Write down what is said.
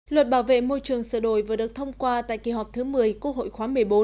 luật bảo vệ môi trường sửa đổi vừa được thông qua tại kỳ họp thứ một mươi quốc hội khóa một mươi bốn